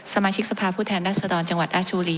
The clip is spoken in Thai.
ไม่ให้เสียสีนะคะให้ถอนคำพูดเพราะเขาถอนคำพูดเสร็จเนี่ยเขาเสียสีต่อ